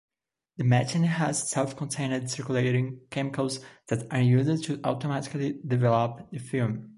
The machine has self-contained circulating chemicals that are used to automatically develop the film.